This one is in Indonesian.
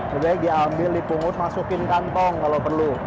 lebih baik diambil dipungut masukin kantong kalau perlu